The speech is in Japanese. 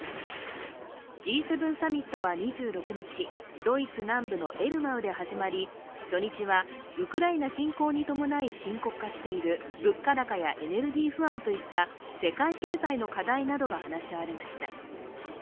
Ｇ７サミットは２６日、ドイツ南部のエルマウで始まり初日はウクライナ侵攻に伴い深刻化している物価高やエネルギー不安といった世界経済の課題などが話し合われました。